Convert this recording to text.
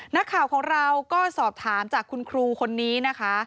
นักข่าวของเราก็สอบถามจากคุณครูคนนี้นะคะ